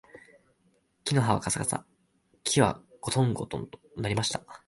木の葉はかさかさ、木はごとんごとんと鳴りました